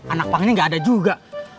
anak pangnya gak ada juga